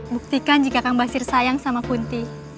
buktikan jika kang basir sayang sama kunti